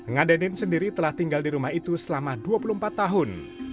nga denin sendiri telah tinggal di rumah itu selama dua puluh empat tahun